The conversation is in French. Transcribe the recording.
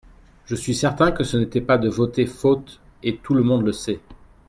Je suis certain que ce n'était pas de voter faute et tout le monde le sait.